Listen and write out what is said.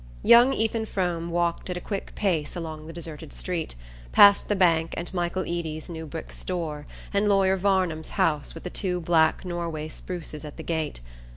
Young Ethan Frome walked at a quick pace along the deserted street, past the bank and Michael Eady's new brick store and Lawyer Varnum's house with the two black Norway spruces at the gate.